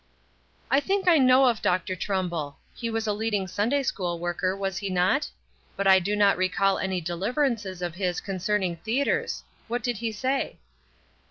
"I think I know of Dr. Trumbull; he was a leading Sunday school worker, was he not? But I do not recall any deliverances of his con cerning theatres. What did he say?"